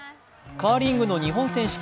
カーリングの日本選手権。